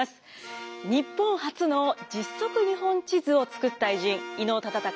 日本初の実測日本地図を作った偉人伊能忠敬